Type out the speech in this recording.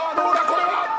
これは？